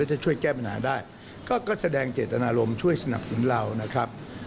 ถ้าช่วยแก้ปัญหาได้ก็แสดงเจตนารมณ์ช่วยสนับสนุนเรานะครับ